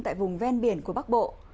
tại vùng ven biển của bắc bộ